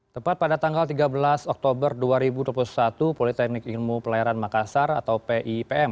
tepat pada tanggal tiga belas oktober dua ribu dua puluh satu politeknik ilmu pelayaran makassar atau pipm